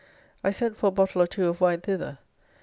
I sent for a bottle or two of wine thither.